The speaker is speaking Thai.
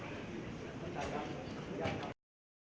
เห็นออกมากกว่านี้นะครับ